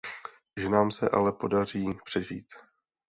Ženám se ale podaří přežít.